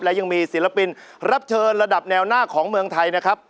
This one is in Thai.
และยังมีศิลปินรับเชิญระดับแนวหน้าของเมืองไทยนะครับ